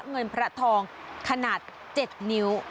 เงินพระทองขนาด๗นิ้ว